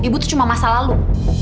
ibu itu cuma masa lalu